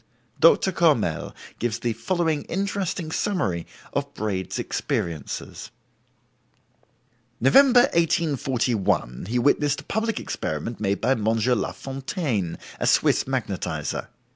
Doctor Courmelles gives the following interesting summary of Braid's experiences: "November, 1841, he witnessed a public experiment made by Monsieur Lafontaine, a Swiss magnetizer.